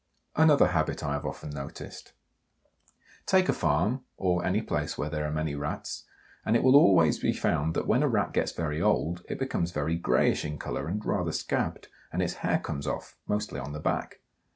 Another habit I have often noticed. Take a farm, or any place where there are many Rats, and it will be always found that when a Rat gets very old it becomes very greyish in colour and rather scabbed, and its hair comes off, mostly on the back.